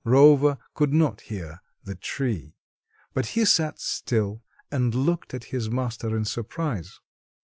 Rover could not hear the tree, but he sat still and looked at his master in surprise.